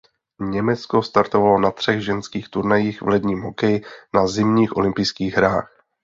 Německo startovalo na třech ženských turnajích v ledním hokeji na zimních olympijských hrách.